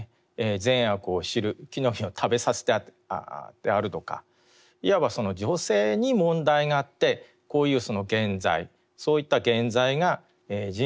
善悪を知る木の実を食べさせたであるとかいわばその女性に問題があってこういう原罪そういった原罪が人類にですね